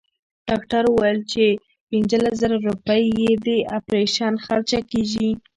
ډاکټر وويل چې پنځلس زره روپۍ يې د اپرېشن خرچه کيږي.